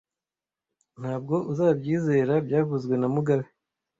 Ntabwo uzabyizera byavuzwe na mugabe